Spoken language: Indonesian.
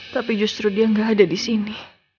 tapi justru dia gak ada disini